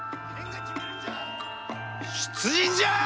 出陣じゃあ！